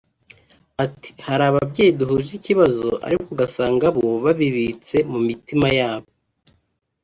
Ati “Hari ababyeyi duhuje ikibazo ariko ugasanga bo babibitse mu mitima yabo